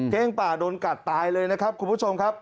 ป่าโดนกัดตายเลยนะครับคุณผู้ชมครับ